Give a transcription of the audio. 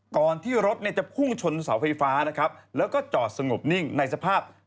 ก่อนที่รถจะพุ่งชนเสาไฟฟ้าแล้วก็จอดสงบนิ่งในสภาพ